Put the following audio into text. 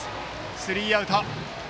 スリーアウト。